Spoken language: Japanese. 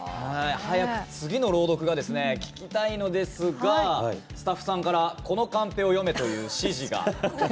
早く次の朗読が聞きたいんですがスタッフさんから「このカンペを読め」という指示が。